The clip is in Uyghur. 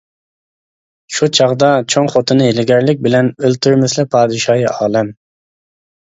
شۇ چاغدا چوڭ خوتۇنى ھىيلىگەرلىك بىلەن:-ئۆلتۈرمىسىلە پادىشاھى ئالەم.